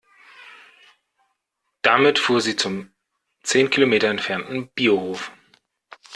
Damit fuhr sie zum zehn Kilometer entfernten Biohof.